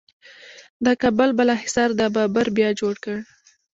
د کابل بالا حصار د بابر بیا جوړ کړ